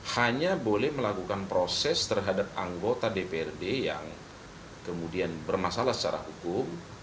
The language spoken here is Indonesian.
hanya boleh melakukan proses terhadap anggota dprd yang kemudian bermasalah secara hukum